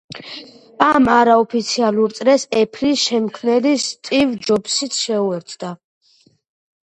ამ არაოფიციალურ წრეს „ეფლის“ შემქმნელი სტივ ჯობსიც შეუერთდა.